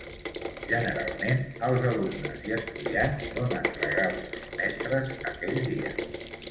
Generalment els alumnes i estudiants donen regals als mestres aquell dia.